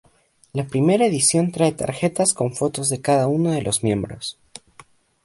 La primera edición trae tarjetas con fotos de cada uno de los miembros.